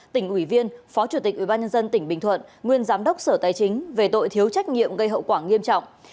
tỉnh ủy viên phó chủ tịch ubnd tỉnh bình thuận nguyên giám đốc sở tài chính về tội thiếu trách nhiệm gây hậu quả nghiêm trọng